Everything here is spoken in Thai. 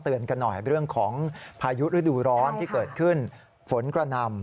ตอนที่เกิดขึ้นฝนกระนำ